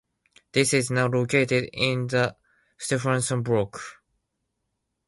This is now located in the Stephenson Block.